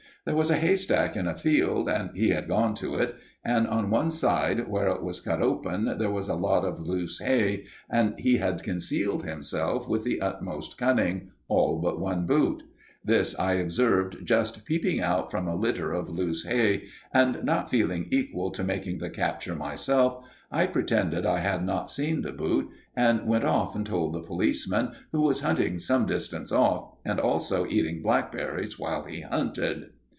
There was a haystack in a field, and he had gone to it, and on one side, where it was cut open, there was a lot of loose hay, and he had concealed himself with the utmost cunning, all but one boot. This I observed just peeping out from a litter of loose hay, and not feeling equal to making the capture myself, I pretended I had not seen the boot, and went off and told the policeman, who was hunting some distance off, and also eating blackberries while he hunted.